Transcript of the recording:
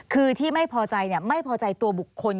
คือที่ไม่พอใจไม่พอใจตัวบุคคล